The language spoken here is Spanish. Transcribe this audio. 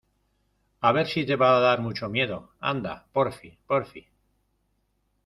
a ver si te va a dar mucho miedo. anda, porfi , porfi .